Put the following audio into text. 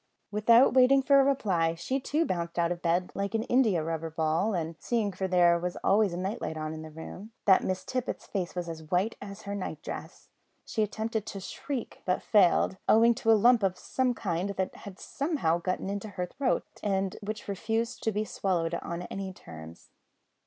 Without waiting for a reply she too bounded out of bed like an indiarubber ball, and seeing (for there was always a night light in the room) that Miss Tippet's face was as white as her night dress, she attempted to shriek, but failed, owing to a lump of some kind that had got somehow into her throat, and which refused to be swallowed on any terms.